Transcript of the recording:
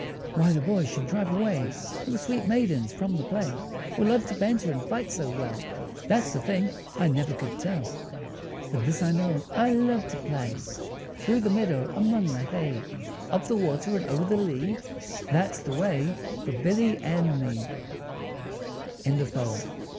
Why the boys should drive away Little sweet maidens from the play, Or love to banter and fight so well, That's the thing I never could tell. But this I know, I love to play Through the meadow, among the hay; Up the water and over the lea, That's the way for Billy and me. JAMES HOGG.